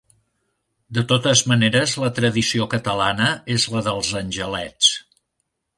De totes maneres la tradició catalana és la dels angelets.